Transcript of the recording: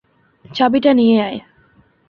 চাবিটা নিয়ে আয়।